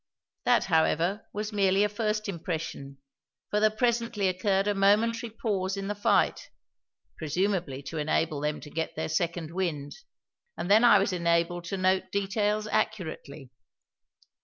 That, however, was merely a first impression, for there presently occurred a momentary pause in the fight presumably to enable them to get their second wind and then I was enabled to note details accurately.